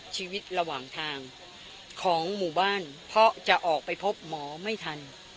ชีวิตระหว่างทางของหมู่บ้านเพราะจะออกไปพบหมอไม่ทัน